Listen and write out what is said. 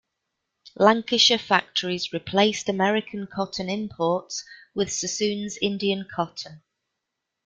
Lancashire factories replaced American cotton imports with Sassoon's Indian cotton.